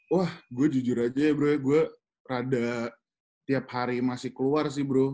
wah gue jujur aja ya bro gue rada setiap hari masih keluar sih bro